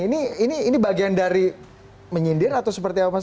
ini ini ini bagian dari menyindir atau seperti apa